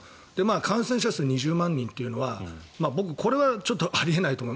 感染者数は２０万人というのは僕、これはあり得ないと思う。